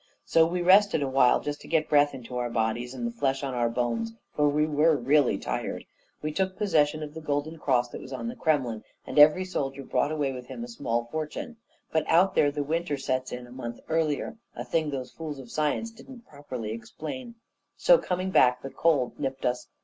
So we rested awhile, just to get the breath into our bodies and the flesh on our bones, for we were really tired. We took possession of the golden cross that was on the Kremlin; and every soldier brought away with him a small fortune. But out there the winter sets in a month earlier a thing those fools of science didn't properly explain. So, coming back, the cold nipped us.